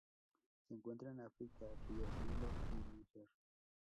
Se encuentran en África: ríos Nilo y Níger.